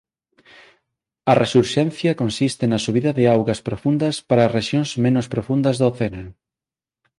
A resurxencia consiste na subida de augas profundas para rexións menos profundas do océano.